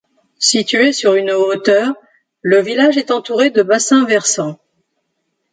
Situé sur une hauteur, le village est entouré de bassins versants.